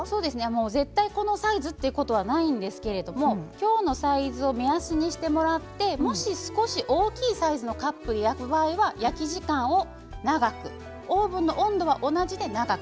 絶対このサイズっていうことはないんですけどきょうのサイズを目安にしてもらってもし、少し大きいサイズのカップで焼く場合は焼き時間を長くオーブンの温度は同じで長く。